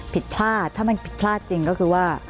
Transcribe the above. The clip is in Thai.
ผิดพลาดถ้ามันผิดพลาดจริงก็คือว่า